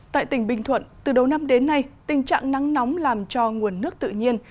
tại tỉnh bình thuận từ đầu năm đến nay tình trạng nắng nóng làm cho nguồn nước tự nhiên